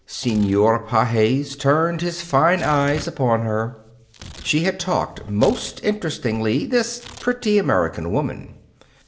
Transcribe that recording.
Senor Pages turned his fine eyes upon her. She had talked most interestingly, this pretty American woman.